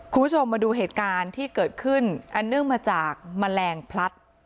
คุณผู้ชมมาดูเหตุการณ์ที่เกิดขึ้นอันเนื่องมาจากแมลงพลัด